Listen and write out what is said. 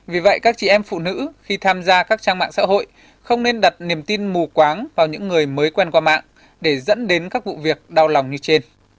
vì vậy các chị em phụ nữ khi tham gia các trang mạng xã hội không nên đặt niềm tin mù quáng vào những người mới quen qua mạng để dẫn đến các vụ việc đau lòng như trên